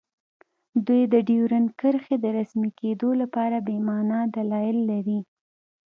دوی د ډیورنډ کرښې د رسمي کیدو لپاره بې مانا دلایل لري